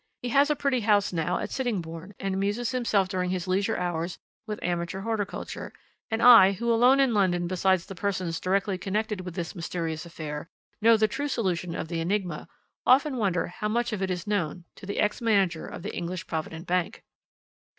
He has a pretty house now at Sittingbourne, and amuses himself during his leisure hours with amateur horticulture, and I, who alone in London besides the persons directly connected with this mysterious affair, know the true solution of the enigma, often wonder how much of it is known to the ex manager of the English Provident Bank."